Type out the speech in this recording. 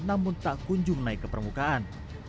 namun tak kunjung naik ke permukaan